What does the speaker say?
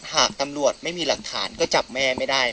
หากตำรวจไม่มีหลักฐานก็จับแม่ไม่ได้